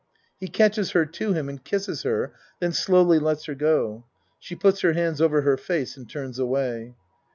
(He catches her to him and kisses her, then slowly lets her go. She puts her hands over her face and turns away.)